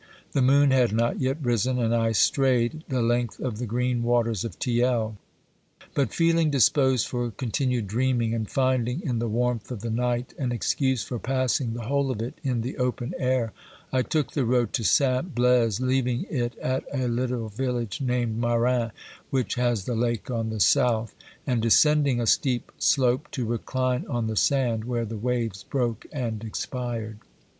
The moon had not yet risen, and I strayed the length of the green waters of Thiel. But feeling disposed for continued dreaming, and finding in the warmth of the night an excuse for passing the whole of it in the open air, I took the road to Saint Blaise, leaving it at a little village, named Marin, which has the lake on the south, and descending a steep slope to recline on the sand, where the waves broke and expired.